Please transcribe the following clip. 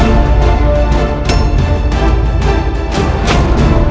kau benar putra